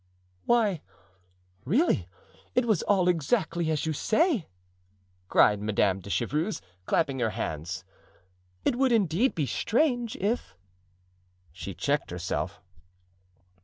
"Why, really, it was all exactly as you say!" cried Madame de Chevreuse, clapping her hands. "It would indeed be strange if——" she checked herself.